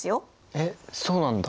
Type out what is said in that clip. えっそうなんだ。